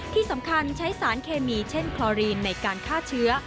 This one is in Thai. ที่สำคัญใช้สารเคมีเช่นคลอรีนในการฆ่าเชื้อ